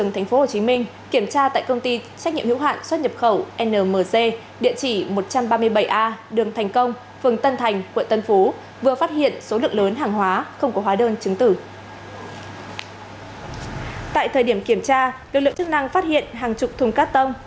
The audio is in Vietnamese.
tại thời điểm kiểm tra lực lượng chức năng phát hiện hàng chục thùng cát tông